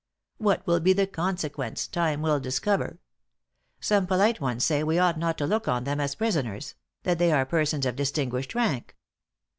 What will be the consequence, time will discover. Some polite ones say we ought not to look on them as prisoners that they are persons of distinguished rank.